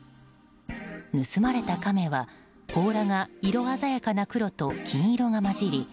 盗まれたカメは、甲羅が色鮮やかな黒と金色が混じり